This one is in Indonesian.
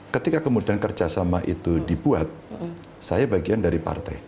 ketika kemudian kerjasama itu dibuat saya bagian dari partai